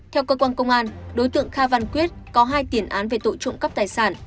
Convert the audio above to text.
theo cơ quan công an đối tượng kha văn quyết có hai tiền án về tội trộm cắp tài sản